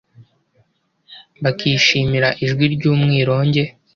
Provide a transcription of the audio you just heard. bakishimira ijwi ry’umwironge